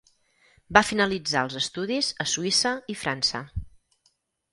Va finalitzar els estudis a Suïssa i França.